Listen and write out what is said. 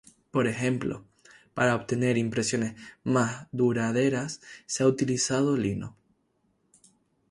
Por ejemplo, para obtener impresiones más duraderas, se ha utilizado lino.